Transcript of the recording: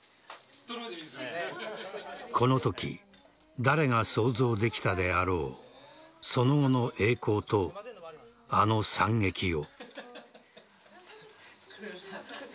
このとき誰が想像できたであろうその後の栄光とあの惨劇を。